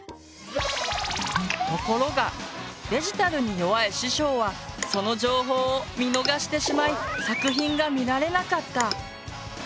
ところがデジタルに弱い師匠はその情報を見逃してしまい作品が見られなかった。